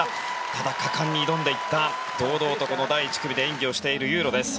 ただ、果敢に挑んでいった堂々とこの第１組で演技をしているユーロです。